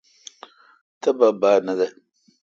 تنا با نہ دہ۔